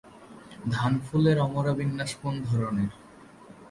ধান ফুলের অমরাবিন্যাস কোন ধরনের?